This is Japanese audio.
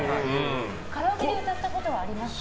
カラオケで歌ったことはありますか？